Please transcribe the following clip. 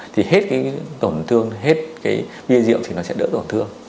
thì hết cái tổn thương hết cái bia rượu thì nó sẽ đỡ tổn thương